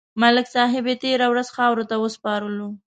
ملک صاحب یې تېره ورځ خاورو ته وسپارلو.